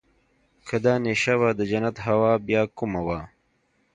که دا نېشه وه د جنت هوا بيا کومه وه.